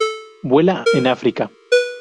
Vuela en África.